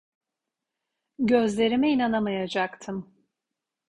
Gözlerime inanamayacaktım: